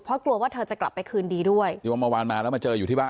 เพราะกลัวว่าเธอจะกลับไปคืนดีด้วยที่ว่าเมื่อวานมาแล้วมาเจออยู่ที่บ้าน